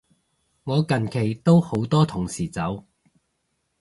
我近期都好多同事走